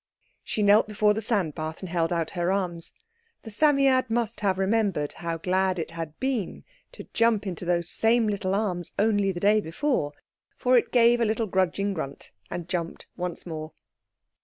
She knelt before the sand bath and held out her arms. The Psammead must have remembered how glad it had been to jump into those same little arms only the day before, for it gave a little grudging grunt, and jumped once more.